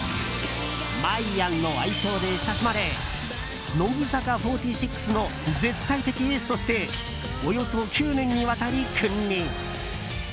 まいやんの愛称で親しまれ乃木坂４６の絶対的エースとしておよそ９年にわたり君臨。